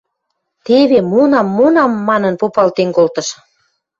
– Теве, монам, монам, – манын попалтен колтыш.